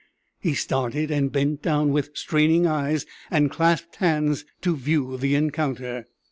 He started, and bent down, with straining eyes and clasped hands, to view the encounter.